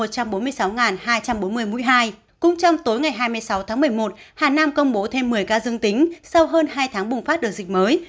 cũng trong tối ngày hai mươi sáu tháng một mươi một hà nam công bố thêm một mươi ca dương tính sau hơn hai tháng bùng phát đợt dịch mới